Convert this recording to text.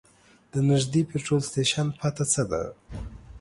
د نږدې پټرول سټیشن پته څه ده؟